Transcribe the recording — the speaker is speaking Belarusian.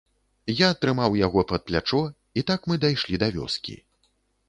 Я трымаў яго пад плячо, і так мы дайшлі да вёскі.